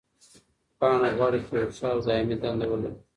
پاڼه غواړي چې یوه ښه او دایمي دنده ولري.